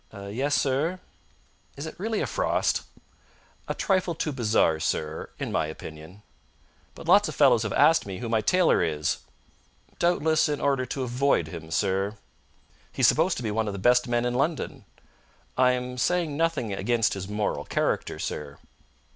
"Yes, sir?" "Is it really a frost?" "A trifle too bizarre, sir, in my opinion." "But lots of fellows have asked me who my tailor is." "Doubtless in order to avoid him, sir." "He's supposed to be one of the best men in London." "I am saying nothing against his moral character, sir."